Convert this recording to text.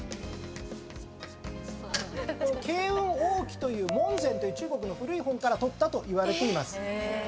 慶雲應輝という『文選』という中国の古い本から取ったといわれています。